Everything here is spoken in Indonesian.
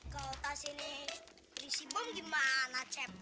kalo tas ini berisi bom gimana cep